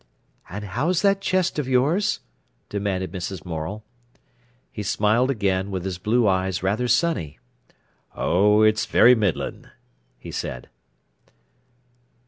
"And how's that chest of yours?" demanded Mrs. Morel. He smiled again, with his blue eyes rather sunny. "Oh, it's very middlin'," he said.